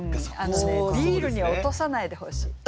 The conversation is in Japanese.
あのね「ビール」には落とさないでほしい。